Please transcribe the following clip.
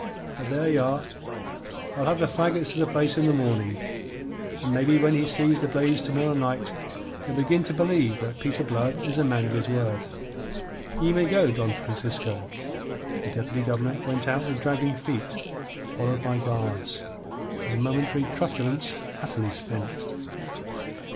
But there ye are! I'll have the faggots to the place in the morning, and maybe when he sees the blaze to morrow night he'll begin to believe that Peter Blood is a man of his word. Ye may go, Don Francisco." The Deputy Governor went out with dragging feet, followed by guards, his momentary truculence utterly spent.